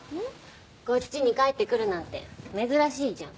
こっちに帰ってくるなんて珍しいじゃん。